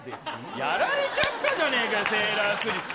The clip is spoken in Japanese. やられちゃったじゃねぇかよ、セーラー服じいさん。